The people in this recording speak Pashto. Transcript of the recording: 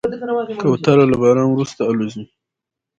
کوتره له باران وروسته الوزي.